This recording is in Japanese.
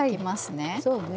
そうね。